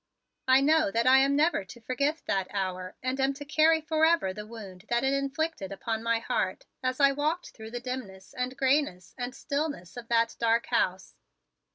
I know that I am never to forget that hour and am to carry forever the wound that it inflicted upon my heart as I walked through the dimness and grayness and stillness of that dark house.